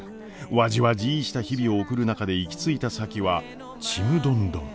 わじわじーした日々を送る中で行き着いた先はちむどんどん。